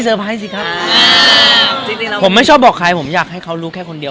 ถามว่าเก็งไหมมันคือเราอยู่จนคุ้นเคย